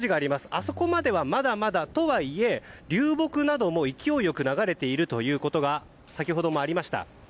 あそこまでは、まだまだとはいえ流木なども勢いよく流れているということは先ほどもありました。